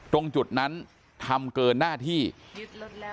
ตรงจุดนั้นทำเกินหน้าที่แล้ว